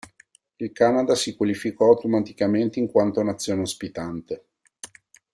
Il Canada si qualificò automaticamente in quanto nazione ospitante.